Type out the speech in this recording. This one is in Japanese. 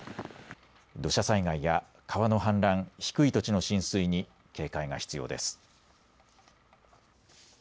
土砂災害や川の氾濫、低い土地の浸水に警戒が必要です。